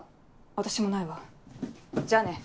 私もないわじゃあね。